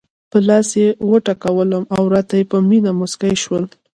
پر لاس یې وټکولم او راته په مینه مسکی شول.